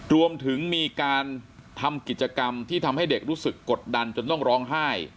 รวมถึงมีการทำกิจกรรมที่ทำให้เด็กรู้สึกกดดันจนต้องร้องไห้